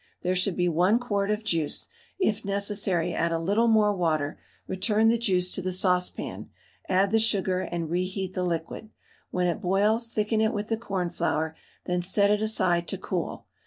There should be 1 quart of juice; if necessary add a little more water; return the juice to the saucepan, add the sugar and reheat the liquid; when it boils thicken it with the cornflour, then set it aside to cool.